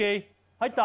入った？